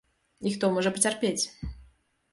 І хто можа пацярпець.